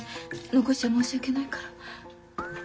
残しちゃ申し訳ないから。